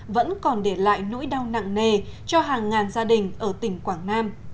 vẫn còn để lại nỗi đau nặng nề cho hàng ngàn gia đình ở tỉnh quảng nam